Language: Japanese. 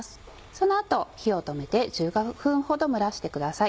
その後火を止めて１５分ほど蒸らしてください。